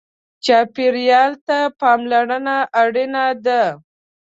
چاپېریال ته پاملرنه اړینه ده.